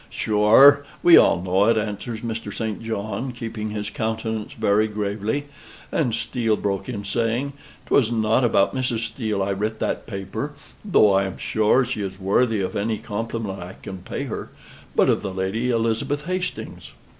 "Sure we all know it," answers Mr. St. John, keeping his countenance very gravely; and Steele broke in saying, "'Twas not about Mrs. Steele I writ that paper though I am sure she is worthy of any compliment I can pay her but of the Lady Elizabeth Hastings."